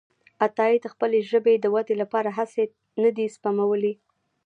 عطاييد خپلې ژبې د ودې لپاره هڅې نه دي سپمولي.